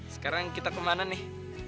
sekarang kita kemana nih